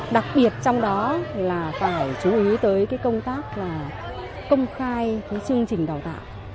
đặc biệt trong đó là phải chú ý tới công tác là công khai chương trình đào tạo